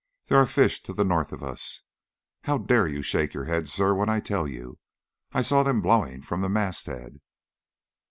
There are fish to the north of us. How dare you shake your head, sir, when I tell you I saw them blowing from the masthead?"